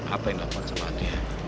apa yang diawanyakan sama adriana